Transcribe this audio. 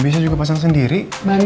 bisa juga pasang sendiri